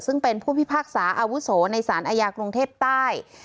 ซึ่งเป็นผู้พิพากษาอาวุโสในสารอาญากรุงเทพใต้